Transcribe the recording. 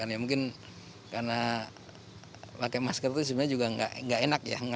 ya mungkin karena pakai masker itu sebenarnya juga nggak enak ya